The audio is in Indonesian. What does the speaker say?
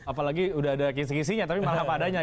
apalagi udah ada kisi kisinya tapi malah apa adanya